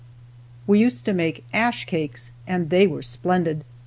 We used to make "ash cakes," and they were splendid.